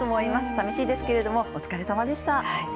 さみしいですけれどもお疲れさまでした。